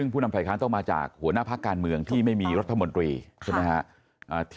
ผู้นำฝ่ายค้านต้องมาจากหัวหน้าพักการเมืองที่ไม่มีรัฐมนตรีใช่ไหมครับ